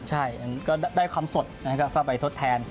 ใช่ก็ได้ความสดก็ไปทดแทน